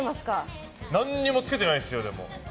何もつけてないですよ。